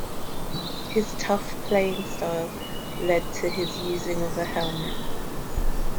His tough playing style lead to his using of a helmet.